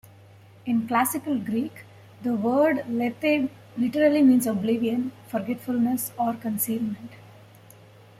In Classical Greek, the word lethe literally means "oblivion", "forgetfulness", or "concealment".